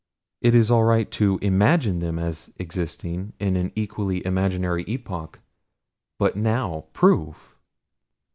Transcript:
It is all right to IMAGINE them as existing in an equally imaginary epoch but now? poof!"